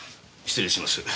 失礼します。